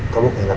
kau ini kenapa